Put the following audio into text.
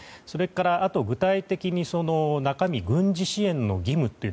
それから、具体的にその中身、軍事支援の義務